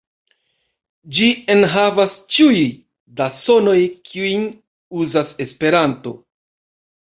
Ĝi enhavas ĉiuj da sonoj, kiujn uzas Esperanto.